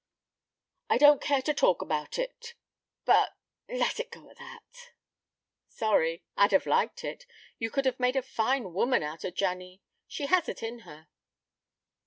"I don't care to talk about it but let it go at that." "Sorry. I'd have liked it. You could have made a fine woman out of Janny. She has it in her."